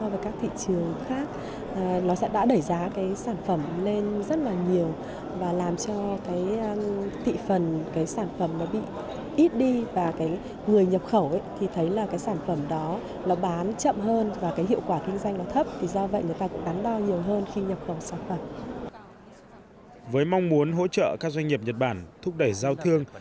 với mong muốn hỗ trợ các doanh nghiệp nhật bản thúc đẩy giao thương